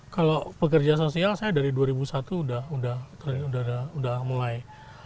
kalau pekerja sosial saya dari dua ribu satu udah mulai